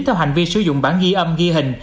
theo hành vi sử dụng bản ghi âm ghi hình